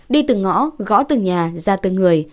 đi từ ngõ gõ từ nhà ra từ người